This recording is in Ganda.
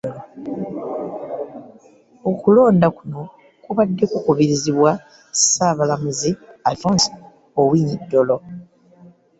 Okulonda kuno kubadde ku kubirizibwa Ssaabalamuzi Alfonse Owiny-Dollo